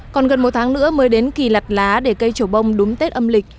còn gần một tháng nữa mới đến kỳ lặt lá để cây trổ bông đúng tết âm lịch